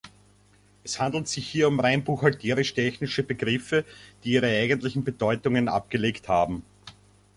Es handelt sich hier um rein buchhalterisch-technische Begriffe, die ihre eigentlichen Bedeutungen abgelegt haben.